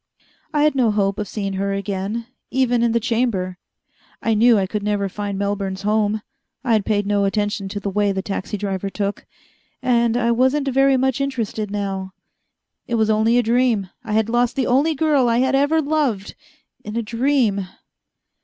I had no hope of seeing her again, even in the Chamber. I knew I could never find Melbourne's home: I had paid no attention to the way the taxi driver took. And I wasn't very much interested now. It was only a dream. I had lost the only girl I had ever loved, in a dream.